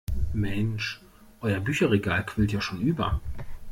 Mensch, euer Bücherregal quillt ja schon über.